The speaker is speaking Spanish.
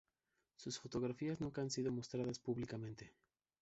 Sus fotografías nunca han sido mostradas públicamente.